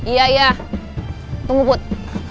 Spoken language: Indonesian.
iya iya tunggu put